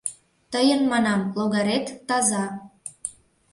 «Тыйын, манам, логарет таза.